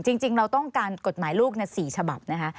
จริงเราต้องการกฎหมายลูก๔ฉบับนะคะ